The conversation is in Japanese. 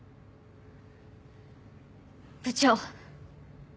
部長。